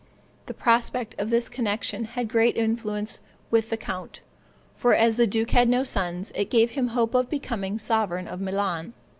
The prospect of this connection had great influence with the count, for, as the duke had no sons, it gave him hope of becoming sovereign of Milan.